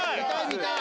見たい。